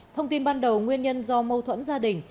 thông tin ban đầu nguyên nhân do mâu thuẫn gia đình